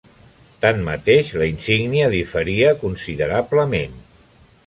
Tanmateix, la insígnia diferia considerablement.